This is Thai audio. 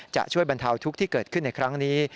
จะช่วยบรรเทาทุกข์ที่เกิดขึ้นในครั้งนี้